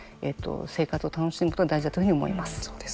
生活を楽しむことが大事だというふうに思います。